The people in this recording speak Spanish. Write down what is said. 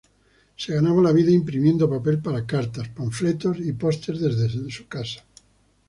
Se ganaba la vida imprimiendo papel para cartas, panfletos y posters desde su casa.